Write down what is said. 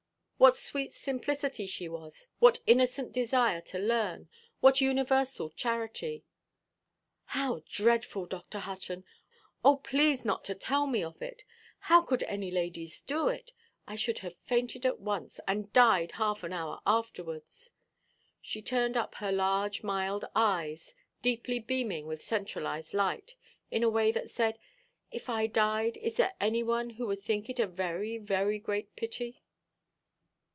What sweet simplicity she was, what innocent desire to learn, what universal charity. "How dreadful, Dr. Hutton! Oh, please not to tell me of it! How could any ladies do it? I should have fainted at once, and died half an hour afterwards." She turned up her large mild eyes, deeply beaming with centralized light, in a way that said, "If I died, is there any one who would think it a very, very great pity?"